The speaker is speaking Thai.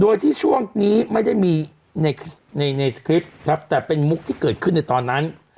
โดยที่ช่วงนี้ไม่ได้มีในในสคริปต์ครับแต่เป็นมุกที่เกิดขึ้นในตอนนั้น